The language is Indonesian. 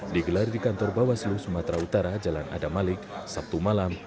digelar di kantor bawaslu sumatera utara jalan adam malik sabtu malam